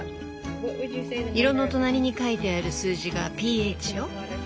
色の隣に書いてある数字がｐＨよ。